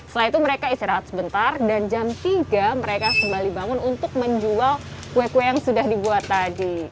setelah itu mereka istirahat sebentar dan jam tiga mereka kembali bangun untuk menjual kue kue yang sudah dibuat tadi